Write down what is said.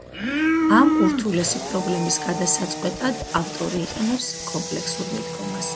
ამ ურთულესი პრობლემის გადასაწყვეტად ავტორი იყენებს კომპლექსურ მიდგომას.